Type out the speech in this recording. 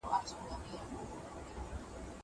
هغه څوک چي سبزېجات وچوي روغ وي!!